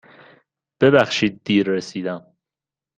ببخشید دیر رسیدم.